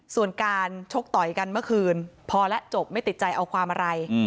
ส่วนการชกต่อยกันเมื่อคืนพอแล้วจบไม่ติดใจเอาความอะไร